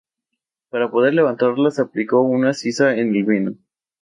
Para poder levantarla se aplicó una sisa en el vino.